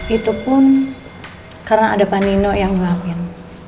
itu pun karena ada panino yang ngelapin